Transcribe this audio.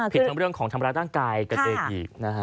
ผิดทั้งเป็นเรื่องของทำร้ายต้างกายกับเด็กอีก